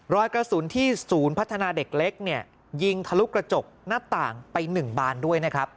รอยกระสุนที่ศูนย์พัฒนาเด็กเล็กเนี่ยยิงทะลุกระจกหน้าต่างไป๑บานด้วยนะครับ